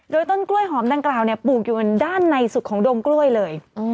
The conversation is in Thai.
โดยต้นกล้วยหอมดังกล่าวปลูกอยู่ด้านในสุดของดงกล้วยเลย